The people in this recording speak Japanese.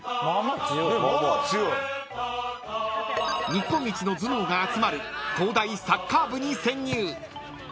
［日本一の頭脳が集まる東大サッカー部に潜入］